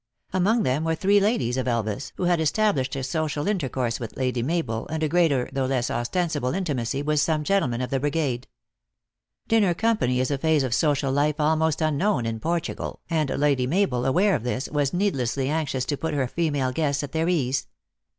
Among them were three ladies of Elvas, who had established a social intercourse with Lady Mabel, and a greater, though less ostensible intimacy with some gentlemen of the brigade. Dinner company is a phase of social life almost unknown in Portugal, and Lady Mabel, aware of this, was needlessly anxious to put her female guests at their ease.